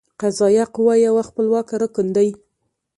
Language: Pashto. قضائیه قوه یو خپلواکه رکن دی.